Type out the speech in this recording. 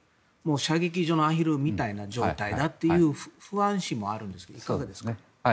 射撃場のアヒルみたいな状態だという不安視もあるんですけどいかがですか？